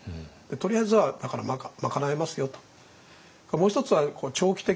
とりあえずはだから賄えますよと。